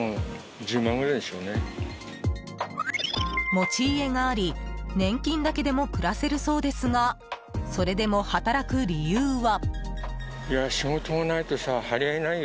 持ち家があり年金だけでも暮らせるそうですがそれでも働く理由は。